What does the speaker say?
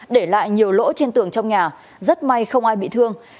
để lại nhiều lỗ trên tường trong nhà rất may không ai bị thương